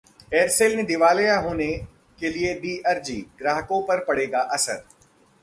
Aircel ने दिवालिया होने के लिए दी अर्जी, ग्राहकों पर पड़ेगा असर